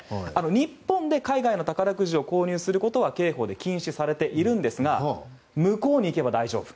日本で海外の宝くじを購入することは刑法で禁止されているんですが向こうに行けば大丈夫。